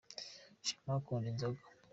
shema akunda inzoga.